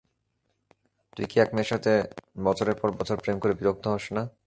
তুই কি এক মেয়ের সাথে বছরের পর বছর প্রেম করে বিরক্ত হস না?